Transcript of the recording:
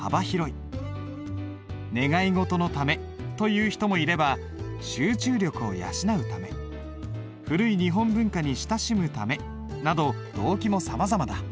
願い事のためという人もいれば集中力を養うため古い日本文化に親しむためなど動機もさまざまだ。